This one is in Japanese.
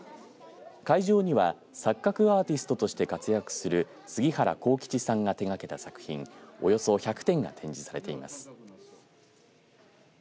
会場には錯覚アーティストとして活躍する杉原厚吉さんが手がけた作品およそ１００点が展示されています。